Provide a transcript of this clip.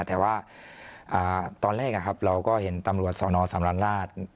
แต่ว่าตอนแรกเราก็เห็นตำรวจสนสำราญราช